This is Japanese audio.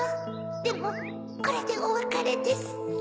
でもこれでおわかれです